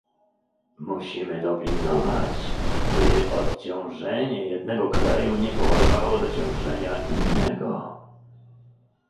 Musimy dopilnować, by odciążenie jednego kraju nie powodowało dociążenia innego